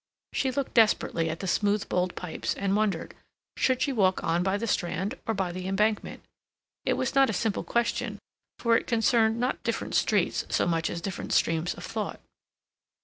She looked desperately at the smooth bowled pipes, and wondered—should she walk on by the Strand or by the Embankment? It was not a simple question, for it concerned not different streets so much as different streams of thought.